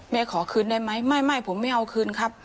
ขอคืนได้ไหมไม่ผมไม่เอาคืนครับ